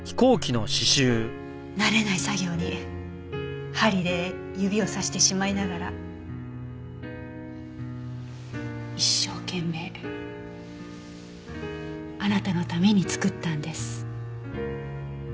慣れない作業に針で指を刺してしまいながら一生懸命あなたのために作ったんです。